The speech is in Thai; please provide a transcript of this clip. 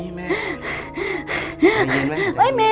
ไม่มีใครรักฉันเลย